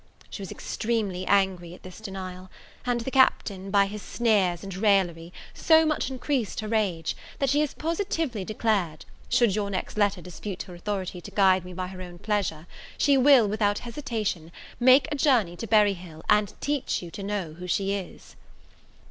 She was extremely angry at this denial; and the Captain, by his sneers and raillery, so much increased her rage, that she has positively declared, should your next letter dispute her authority to guide me by her own pleasure, she will, without hesitation, make a journey to Berry Hill, and teach you to know who she is.